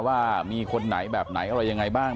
ว่ามีคนไหนแบบไหนอะไรยังไงบ้าง